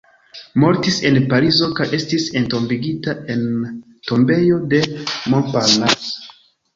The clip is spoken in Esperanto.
Mortis en Parizo kaj estis entombigita en Tombejo de Montparnasse.